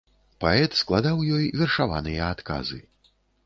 Паэт складаў ёй вершаваныя адказы.